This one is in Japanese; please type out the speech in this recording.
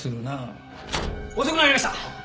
遅くなりました！